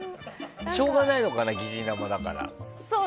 しょうがないのかな疑似生だから。